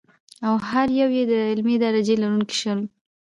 او هر یو یې د علمي درجې لرونکي شول.